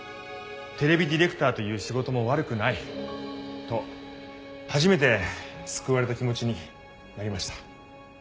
テレビディレクターという仕事も悪くない。と初めて救われた気持ちになりました。